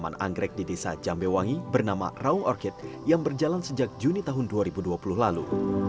taman anggrek di desa jambewangi bernama raung orkit yang berjalan sejak juni tahun dua ribu dua puluh lalu